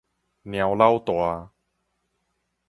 貓老大